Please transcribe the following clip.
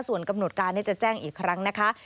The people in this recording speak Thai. ส่วนกำหนดการจะแจ้งอีกครั้งนะคะ